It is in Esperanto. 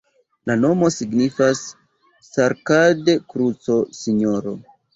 La nomo signifas Sarkad-kruco-Sinjoro.